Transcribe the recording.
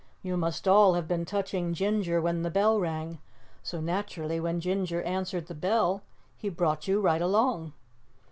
You must all have been touching Ginger when the bell rang, so naturally when Ginger answered the bell he brought you right along."